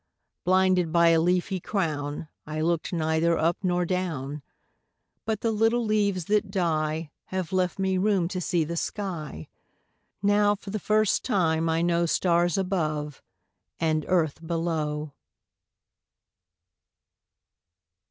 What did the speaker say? Blinded by a leafy crownI looked neither up nor down—But the little leaves that dieHave left me room to see the sky; Now for the first time I knowStars above and earth below.